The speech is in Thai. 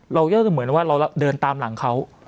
เราก็เหมือนว่าเราเดินตามหลังเขา